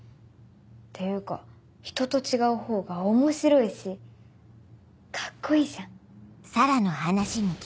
っていうかひとと違うほうが面白いしカッコいいじゃん。